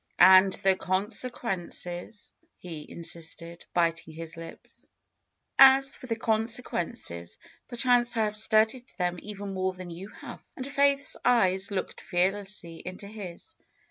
"And the consequences?" he insisted, biting his lips. 262 FAITH for the consequences, perchance I have studied them even more than you have." And Faith's eyes looked fearlessly into his.